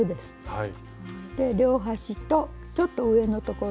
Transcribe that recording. はい。